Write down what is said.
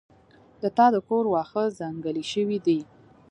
د تا د کور واښه ځنګلي شوي دي